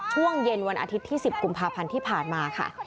ช่วงเย็นวันอาทิตย์ที่๑๐กุมภาพันธ์ที่ผ่านมาค่ะ